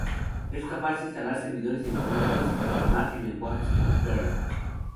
Es capaz de instalar servidores informáticos y programar en lenguajes como Perl.